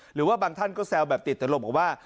หรือว่าบางท่านก็แซวแบบติดตลกบอกว่า